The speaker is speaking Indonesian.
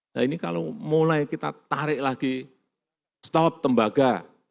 nah ini kalau mulai kita tarik lagi stop tembaga